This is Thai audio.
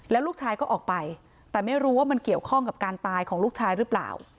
แล้วลูกชายก็ออกไปแต่ไม่รู้ว่ามันเกี่ยวข้องกับการตายของลูกชายหรือเปล่า